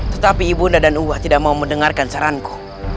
tetapi ibuna dan uwah tidak mau mendengarkan saranku